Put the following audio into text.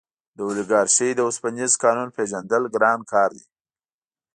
د اولیګارشۍ د اوسپنیز قانون پېژندل ګران کار دی.